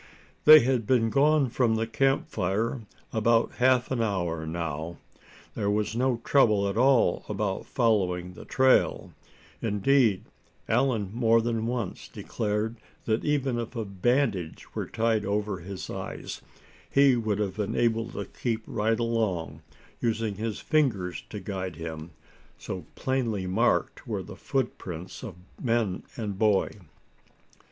They had been gone from the camp fire about half an hour now. There was no trouble at all about following the trail; indeed, Allan more than once declared that even if a bandage were tied over his eyes he would have been able to keep right along, using his fingers to guide him, so plainly marked were the footprints of men and boy.